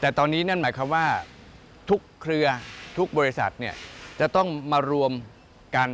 แต่ตอนนี้นั่นหมายความว่าทุกเครือทุกบริษัทจะต้องมารวมกัน